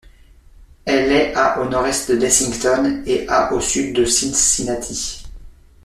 Elle est à au nord-est de Lexington et à au sud de Cincinnati.